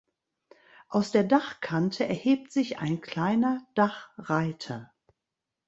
Aus der Dachkante erhebt sich ein kleiner Dachreiter.